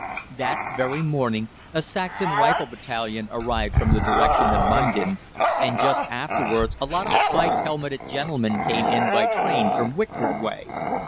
"That very morning a Saxon rifle battalion arrived from the direction of Mundon, and just afterwards a lot spike helmeted gentlemen came in by train from Wickford way.